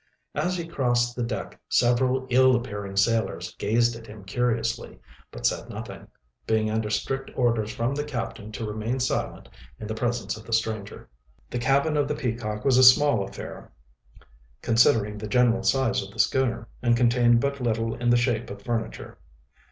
As he crossed the deck several ill appearing sailors gazed at him curiously, but said nothing being under strict orders from the captain to remain silent in the presence of the stranger. The cabin of the Peacock was a small affair, considering the general size of the schooner, and contained but little in the shape of furniture.